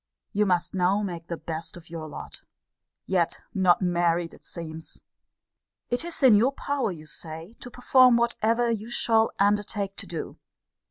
You must now make the best of your lot. Yet not married, it seems! It is in your power, you say, to perform whatever you shall undertake to do.